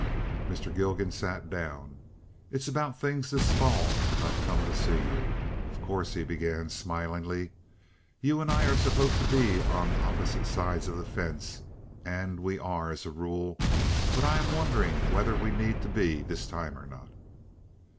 Mr. Gilgan sat down. "It's about things this fall I've come to see you, of course," he began, smilingly. "You and I are supposed to be on opposite sides of the fence, and we are as a rule, but I am wondering whether we need be this time or not?"